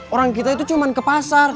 orang kita itu cuma ke pasar